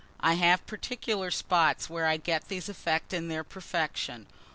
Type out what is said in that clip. I have particular spots where I get these effects in their perfection.